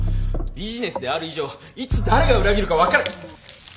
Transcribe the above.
ビジネスである以上いつ誰が裏切るか分から。